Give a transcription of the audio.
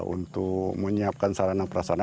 untuk menyiapkan sarana prasana